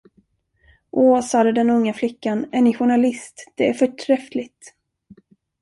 Å, sade den unga flickan, är ni journalist, det är förträffligt.